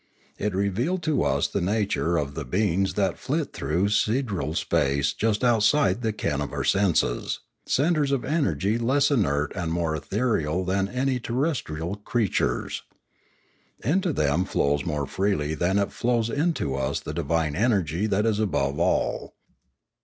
It revealed to us the nature of the be ings that flit through sidereal space just outside the ken of our senses, centres of energy less inert and more ethereal than any terrestrial creatures. Into them flows more freely than it flows into us the divine energy that is above all.